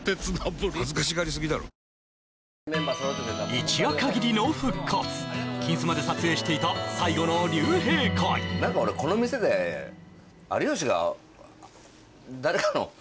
一夜限りの復活「金スマ」で撮影していた最後の竜兵会何か俺この店で俺覚えてんな